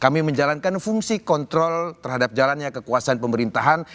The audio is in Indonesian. kami menjalankan fungsi kontrol terhadap jalannya kekuasaan pemerintahan